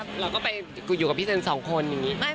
เราก็ไปอยู่กับพี่เจนสองคนอย่างนี้